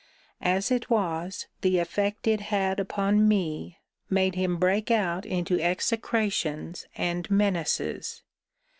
As it was, the effect it had upon me made him break out into execrations and menaces.